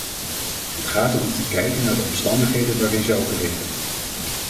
Het gaat erom te kijken naar de omstandigheden waarin zij opereren.